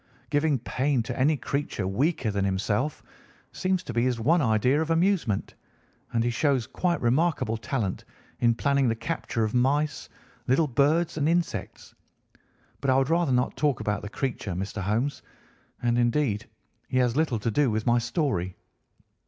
Giving pain to any creature weaker than himself seems to be his one idea of amusement, and he shows quite remarkable talent in planning the capture of mice, little birds, and insects. But I would rather not talk about the creature, Mr. Holmes, and, indeed, he has little to do with my story."